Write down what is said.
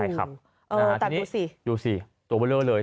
อาทารณีดูสิดูสิตัวเบอะเรื่องเลย